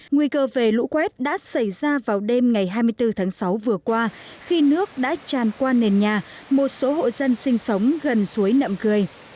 nguy cơ về lũ quét đã xảy ra vào đêm ngày hai mươi bốn tháng sáu vừa qua khi nước đã tràn qua nền nhà một số hộ dân sinh sống gần suối nậm cười